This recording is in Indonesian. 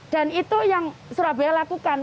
dan itu yang surabaya lakukan